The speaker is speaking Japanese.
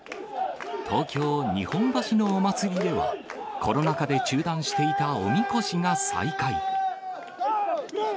東京・日本橋のお祭りでは、コロナ禍で中断していたおみこしが再開。